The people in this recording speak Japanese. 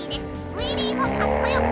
ウイリーもかっこよく！